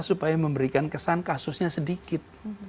supaya memberikan kesan kasusnya sedikit